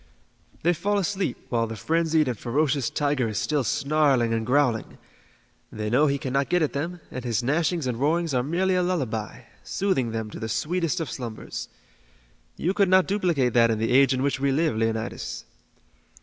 They fall asleep while the frenzied and ferocious tiger is still snarling and growling. They know he cannot get at them, and his gnashings and roarings are merely a lullaby, soothing them to the sweetest of slumbers. You could not duplicate that in the age in which we live, Leonidas."